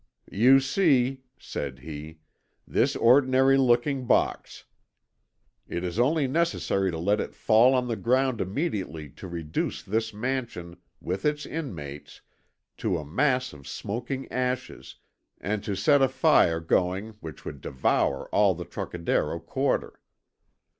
"You see," said he, "this ordinary looking box. It is only necessary to let it fall on the ground immediately to reduce this mansion with its inmates to a mass of smoking ashes, and to set a fire going which would devour all the Trocadéro quarter.